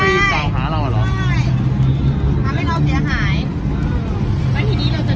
คือพูดง่ายวันนั้นแหละจ่ายภามาซื้อมาทำไมมีปัญหาอะไร